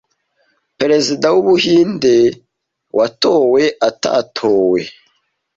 Perezida w'Ubuhinde watowe atatowe